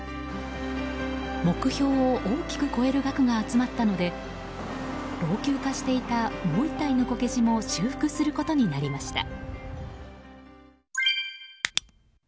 目標を大きく超える額が集まったので老朽化していたもう１体のこけしも修復することになりました。